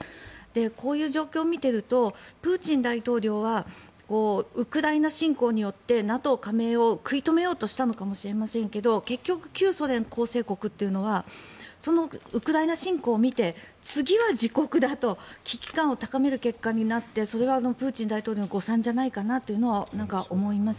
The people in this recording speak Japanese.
こういう状況を見ているとプーチン大統領はウクライナ侵攻によってＮＡＴＯ加盟を食い止めようとしたのかもしれませんけど結局、旧ソ連構成国というのはそのウクライナ侵攻を見て次は自国だと危機感を高める結果になってそれがプーチン大統領の誤算じゃないかなというのは思います。